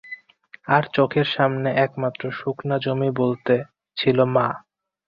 আর চোখের সামনে একমাত্র শুকনো জমি বলতে, ছিল মা।